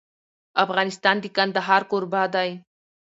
افغانستان د کندهار کوربه دی.